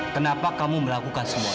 kenapa kamu melakukan semua